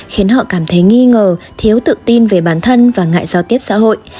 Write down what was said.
khiến họ cảm thấy nghi ngờ thiếu tự tin về bản thân và ngại giao tiếp xã hội